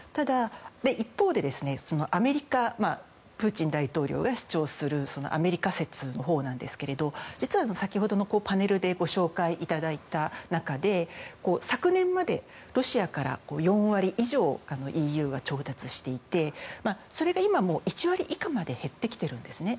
一方でプーチン大統領が主張するアメリカ説のほうなんですけども実は、先ほどのパネルでご紹介いただいた中で昨年までロシアから４割以上ＥＵが調達していてそれが今、１割以下まで減ってきているんですね。